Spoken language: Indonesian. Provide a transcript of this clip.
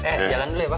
eh jalan dulu ya pak